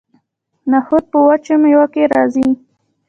نخود په وچو میوو کې راځي.